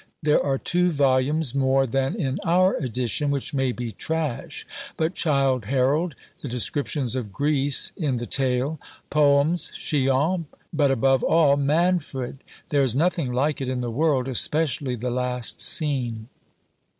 There are two vols. more than in our edition, which may be trash. But Childe Harold, the descriptions of Greece in the Tale: Poems, Chillon, but above all Manfred: there is nothing like it in the world, especially the last scene.